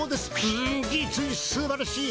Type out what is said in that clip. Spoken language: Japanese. うん実にすばらしい！